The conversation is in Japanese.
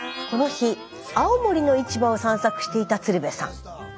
この日青森の市場を散策していた鶴瓶さん。